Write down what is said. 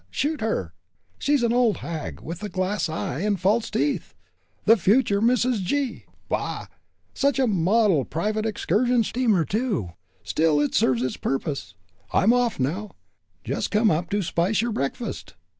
shoot her. She's an old hag, with a glass eye and false teeth. The future Mrs. G! Bah! and such a model private excursion steamer, too! Still, it serves its purpose. I'm off now just come up to spice your breakfast.